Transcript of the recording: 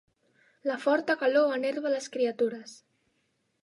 La forta calor enerva les criatures.